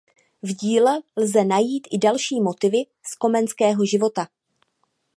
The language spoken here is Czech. V díle lze najít i další motivy z Komenského života.